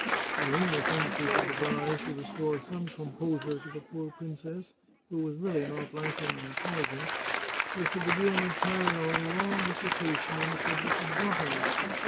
The only thing she could devise to restore some com posure to the poor princess, who was really not lacking in intelligence, was to begin and carry on a long dissertation on the subject of botany.